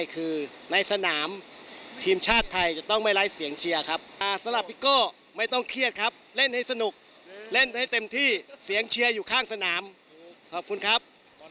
การเชียร์อยู่ข้างสนามขอบคุณครับ